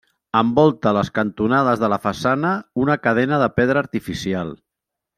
Envolta les cantonades de la façana una cadena de pedra artificial.